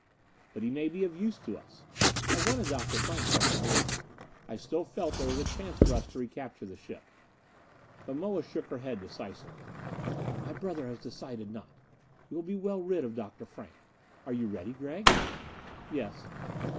"But he may be of use to us." I wanted Dr. Frank kept aboard. I still felt that there was a chance for us to recapture the ship. But Moa shook her head decisively. "My brother has decided not. We will be well rid of Dr. Frank. Are you ready, Gregg?" "Yes."